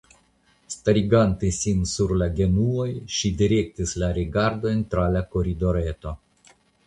Starigante sin sur la genuoj, ŝi direktis la rigardojn, tra la koridoreto.